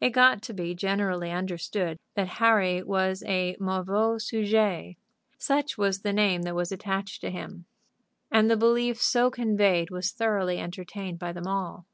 It got to be generally understood that Harry was a mauvais sujet. Such was the name that was attached to him, and the belief so conveyed was thoroughly entertained by them all.